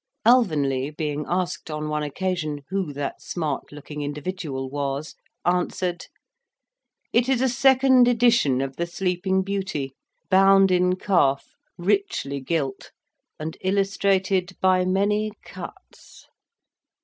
Alvanley being asked, on one occasion, who that smart looking individual was, answered, "It is a second edition of the Sleeping Beauty bound in calf, richly gilt, and illustrated by many cuts."